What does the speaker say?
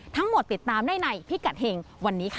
ทั้งหมดติดตามได้ในพิกัดเห็งวันนี้ค่ะ